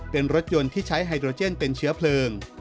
เป็นรถยนต์ที่ใช้ไฮโดรเจนเป็นเชื้อเพลิง